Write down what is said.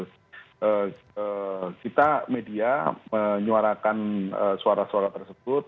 eee ee kita media menyuarakan ee suara suara tersebut